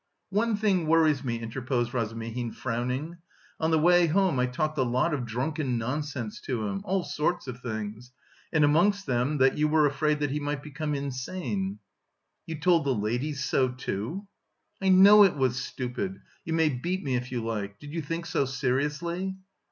"One thing worries me," interposed Razumihin, frowning. "On the way home I talked a lot of drunken nonsense to him... all sorts of things... and amongst them that you were afraid that he... might become insane." "You told the ladies so, too." "I know it was stupid! You may beat me if you like! Did you think so seriously?"